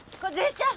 梢ちゃん！